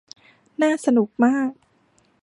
น่าสนุกมาก